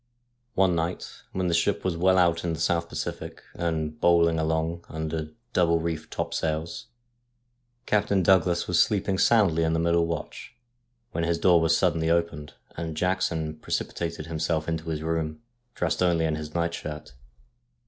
One night, when the ship was well out in the South Pacific, and bowling along under double reefed top sails, Captain Douglas was sleeping soundly in the middle watch, when his door was suddenly opened, and Jackson precipitated himself into his room, dressed only in his night shirt.